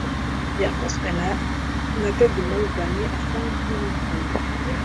Yakozwe Ted Morgan asa nkuwikunda